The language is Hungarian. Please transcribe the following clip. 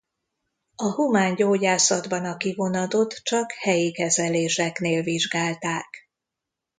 A humán gyógyászatban a kivonatot csak helyi kezeléseknél vizsgálták.